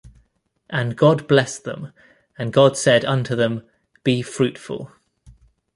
And God blessed them, and God said unto them, Be fruitful